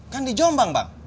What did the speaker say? kan di jombang bang